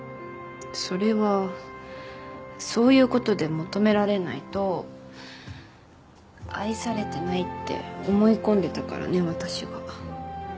それはそういうことで求められないと愛されてないって思い込んでたからね私が。